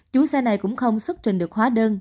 chủ xe này cũng không xuất trình được hóa đơn